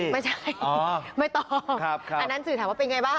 ไม่ใช่ไม่ตอบอันนั้นสื่อถามว่าเป็นยังไงบ้าง